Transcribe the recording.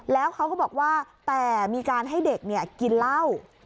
แล้วเขาก็บอกว่าแต่มีการให้เด็กกินเหล้า